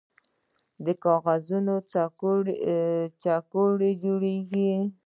د کاغذ کڅوړې جوړیږي؟